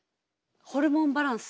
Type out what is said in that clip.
ホルモンバランス。